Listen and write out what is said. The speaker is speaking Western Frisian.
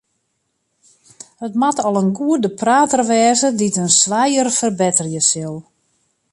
It moat al in goede prater wêze dy't it in swijer ferbetterje sil.